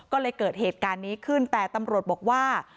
ก็เลยเกิดเหตุการณ์นี้ขึ้นแต่ตำรวจบอกว่า